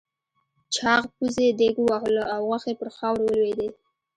چاغ پوځي دېگ ووهلو او غوښې پر خاورو ولوېدې.